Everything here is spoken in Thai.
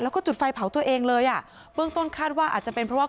แล้วก็จุดไฟเผาตัวเองเลยอ่ะเบื้องต้นคาดว่าอาจจะเป็นเพราะว่า